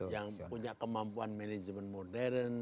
yang punya kemampuan manajemen modern